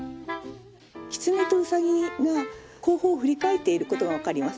きつねとうさぎが後方を振り返っていることが分かります。